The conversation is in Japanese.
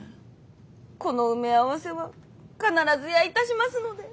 この埋め合わせは必ずやいたしますので。